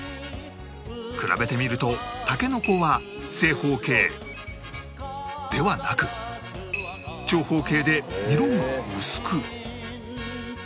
比べて見ると筍は正方形ではなく長方形で色も薄く